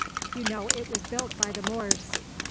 You know, it was built by the Moors."